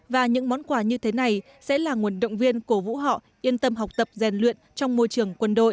và những món quà như thế này sẽ là nguồn động viên cổ vũ họ yên tâm học tập rèn luyện trong môi trường quân đội